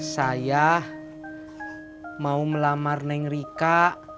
saya mau melamar neng rika